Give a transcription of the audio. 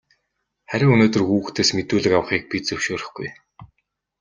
Харин өнөөдөр хүүхдээс мэдүүлэг авахыг бид зөвшөөрөхгүй.